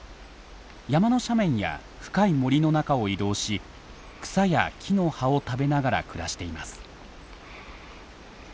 山の斜面や深い森の中を移動し草や木の葉を食べながら暮らしています。